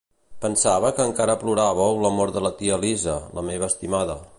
Pensava que encara ploràveu la mort de tia Lysa, la meva estimada .